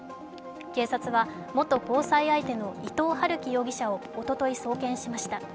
警察は元交際相手の伊藤龍稀容疑者をおととい送検しました。